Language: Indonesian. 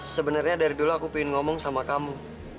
sebenarnya dari dulu aku ingin ngomong sama kamu